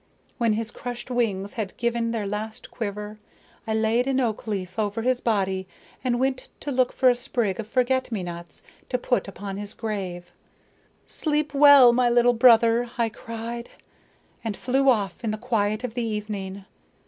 When his crushed wings had given their last quiver, I laid an oak leaf over his body and went to look for a sprig of forget me nots to put upon his grave. 'Sleep well, my little brother,' I cried, and flew off in the quiet of the evening.